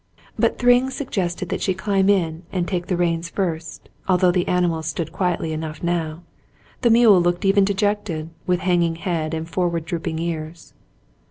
But Thryng suggested that she climb in and take the reins first, although the animals stood quietly enough now ; the mule looked even dejected, with hanging head and forward drooping ears.